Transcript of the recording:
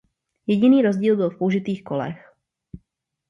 Jediný rozdíl byl v použitých kolech.